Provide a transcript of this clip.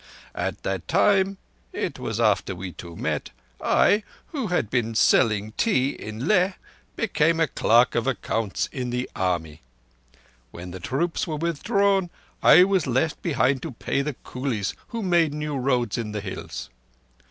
At that time—it was after we two met—I, who had been selling tea in Leh, became a clerk of accounts in the Army. When the troops were withdrawn, I was left behind to pay the coolies who made new roads in the Hills.